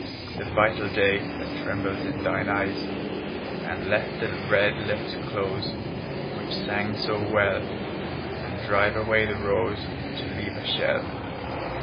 The vital day That trembles in thine eyes, And let the red lips close Which sang so well, And drive away the rose To leave a shell.